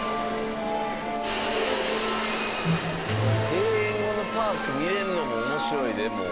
閉園後のパーク見れるのも面白いでもう。